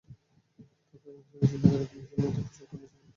তাঁদের ধারণা ছিল, ছিনতাইকারীরা পুলিশের মতো পোশাক পরে এসব ঘটনা ঘটাচ্ছে।